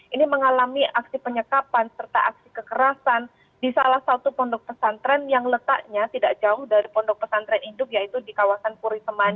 ini mengalami aksi penyekapan serta aksi kekerasan di salah satu pondok pesantren yang letaknya tidak jauh dari pondok pesantren induk yaitu di kawasan puriseman